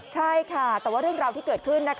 ใช่ค่ะแต่ว่าเรื่องราวที่เกิดขึ้น